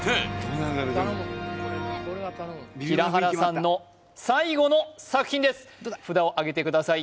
平原さんの最後の作品です札をあげてください